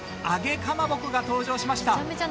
揚げかまぼこが登場しました。